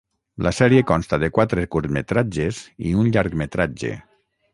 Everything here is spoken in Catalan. La sèrie consta de quatre curtmetratges i un llargmetratge.